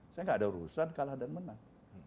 saya nggak ada urusan kalah dan menang